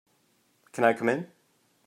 Can I come in?